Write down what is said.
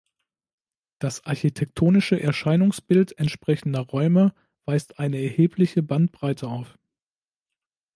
Das architektonische Erscheinungsbild entsprechender Räume weist eine erhebliche Bandbreite auf.